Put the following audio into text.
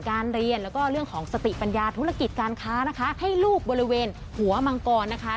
การเรียนแล้วก็เรื่องของสติปัญญาธุรกิจการค้านะคะให้ลูกบริเวณหัวมังกรนะคะ